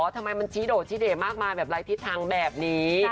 ทำไมมันชี้โดดชี้เด่มากมายแบบไร้ทิศทางแบบนี้